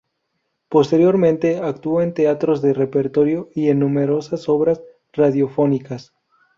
Posteriormente actuó en teatros de repertorio y en numerosas obras radiofónicas.